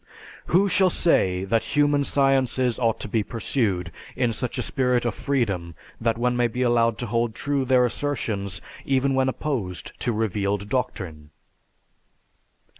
"Who shall say that human sciences ought to be pursued in such a spirit of freedom that one may be allowed to hold true their assertions even when opposed to revealed doctrine."